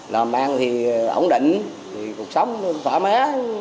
làm ăn thì ổn định cuộc sống thì khỏa má